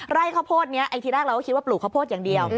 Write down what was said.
ไร่ข้าวโพดนี้ไอ้ทีแรกเราก็คิดว่าปลูกข้าวโพดอย่างเดียว